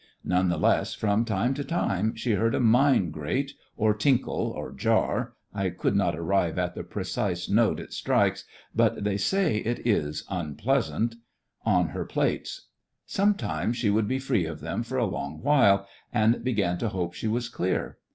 None the less, from time to time, she heard a mine grate, or tinkle, or jar (I could not arrive at the precise note it 94 THE FRINGES OF THE FLEET strikes, but they say it is unpleasant) on her plates. Sometimes she would be free of them for a long while, and began to hope she was clear.